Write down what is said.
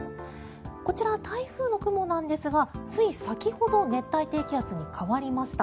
こちら、台風の雲なんですがつい先ほど熱帯低気圧に変わりました。